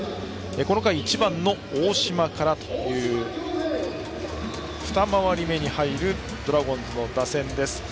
この回、１番の大島からという二回り目に入るドラゴンズの打線。